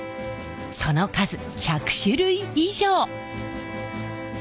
その数１００種類以上！